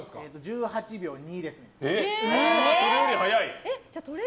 １８秒２ですね。